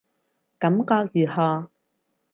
感覺如何